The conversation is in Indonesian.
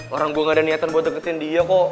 orang gue gak ada niatan buat deketin dia kok